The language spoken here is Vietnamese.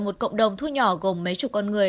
một cộng đồng thu nhỏ gồm mấy chục con người